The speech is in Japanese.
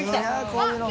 こういうの。